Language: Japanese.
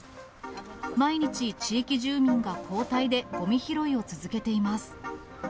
毎日、地域住民が交代でごみ拾いを続けています。